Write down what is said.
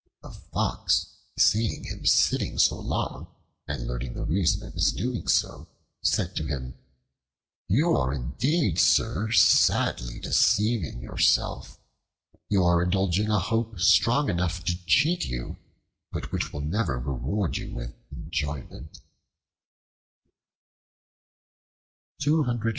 A Fox seeing him sitting so long and learning the reason of his doing so, said to him, "You are indeed, sir, sadly deceiving yourself; you are indulging a hope strong enough to cheat you, but which will never reward you with enjoyment."